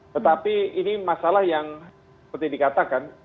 tetapi ini masalah yang seperti dikatakan